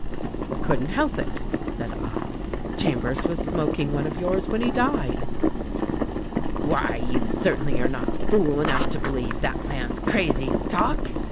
" 'Couldn't help it,' said I. 'Chambers was smoking one of yours when he died.' " 'Why, you certainly are not fool enough to believe that man's crazy talk.